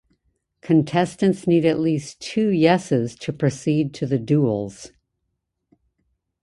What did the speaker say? Contestants need at least two yeses to proceed to the Duels.